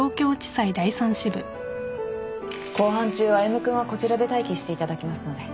公判中歩君はこちらで待機していただきますので。